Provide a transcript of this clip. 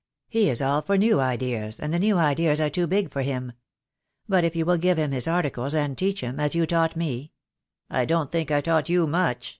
He is all for new ideas, and the new ideas are too big for him. But if you will give him his articles, and teach him, as you taught me " "I don't think I taught you much.